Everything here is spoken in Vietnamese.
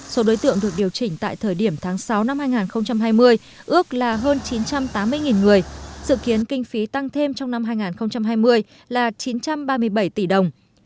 số đối tượng được điều chỉnh tại thời điểm tháng sáu năm hai nghìn hai mươi ước là hơn chín trăm tám mươi người sự kiến kinh phí tăng thêm trong năm hai nghìn hai mươi là chín trăm ba mươi bảy tỷ đồng